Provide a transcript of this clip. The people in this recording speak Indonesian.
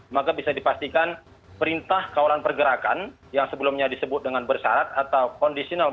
maka bisa dipastikan perintah kawalan pergerakan yang sebelumnya disebut dengan bersarat atau conditional